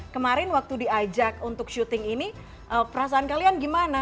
kemarin waktu diajak untuk syuting ini perasaan kalian gimana